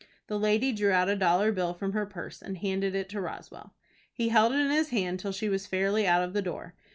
The lady drew out a dollar bill from her purse, and handed it to Roswell. He held it in his hand till she was fairly out of the door.